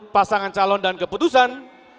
pasangan calon dan keputusan